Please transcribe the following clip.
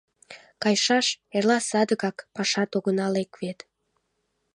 — Кайышаш, эрла садыгак пашат огына лек вет.